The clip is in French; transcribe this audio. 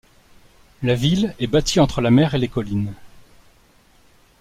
La ville est bâtie entre la mer et les collines.